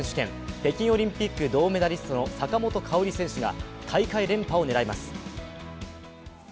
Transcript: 北京オリンピック銅メダリストの坂本花織選手が大会連覇を狙います。